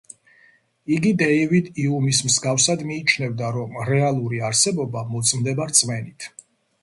იგი დეივიდ იუმის მსგავსად მიიჩნევდა, რომ რეალური არსებობა მოწმდება რწმენით.